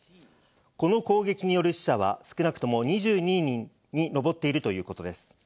この攻撃による死者は少なくとも２２人にのぼっているということです。